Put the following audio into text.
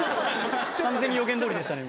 完全に予言どおりでしたね今。